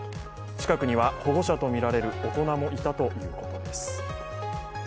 近くには保護者とみられる大人もいたということです。